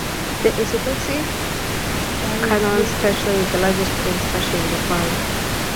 The Ikitsuki Daigyoran Kannon Statue is the largest bronze statue in Japan.